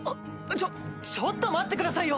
ちょちょっと待ってくださいよ！